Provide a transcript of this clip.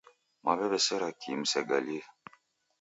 Mwaw'ew'esera kii musegalie?